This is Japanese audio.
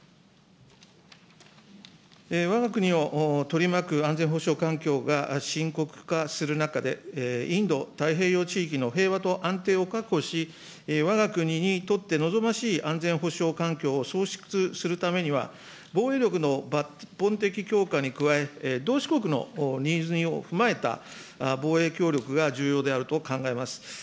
わが国を取り巻く安全保障環境が深刻化する中で、インド太平洋地域の平和と安定を確保し、わが国にとって望ましい安全保障環境を創出するためには、防衛力の抜本的強化に加え、同志国のニーズを踏まえた防衛協力が重要であると考えます。